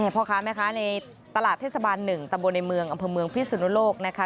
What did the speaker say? พอครับไหมคะในตลาดเทศบาลหนึ่งตะโบนในเมืองอำเภอเมืองพิษสุนโลกนะคะ